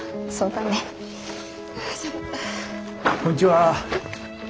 こんにちは。